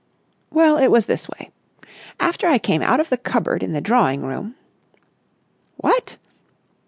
"Well, it was this way. After I came out of the cupboard in the drawing room...." "What!"